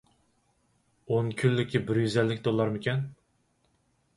ئون كۈنلۈكى بىر يۈز ئەللىك دوللارمىكەن؟